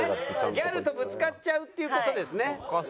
ギャルとぶつかっちゃうっていう事ですね。